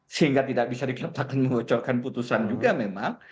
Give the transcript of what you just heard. sehingga tidak bisa dikatakan mengocorkan putusan juga memang